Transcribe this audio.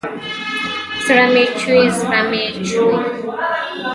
زړه مې چوي ، زړه مې چوي